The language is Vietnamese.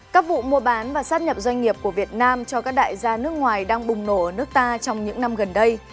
các vụ mua bán và sát nhập doanh nghiệp của việt nam cho các đại gia nước ngoài đang bùng nổ ở nước ta trong những năm gần đây